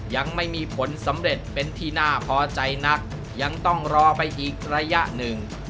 ยังไม่มีผลสำเร็จเป็นที่น่าพอใจนักยังต้องรอไปอีกระยะหนึ่ง